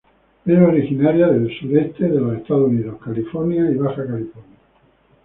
Es originaria del suroeste de los Estados Unidos, California, y Baja California.